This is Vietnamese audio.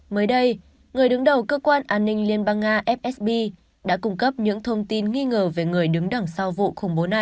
mới đây người đứng đầu cơ quan an ninh liên bang nga fsb đã cung cấp những thông tin nghi ngờ về người đứng đằng sau vụ